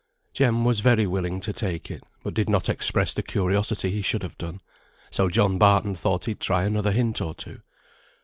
Jem was very willing to take it, but did not express the curiosity he should have done. So John Barton thought he'd try another hint or two.